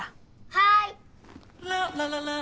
はい。